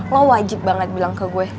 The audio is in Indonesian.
lo wajib banget bilang ke gue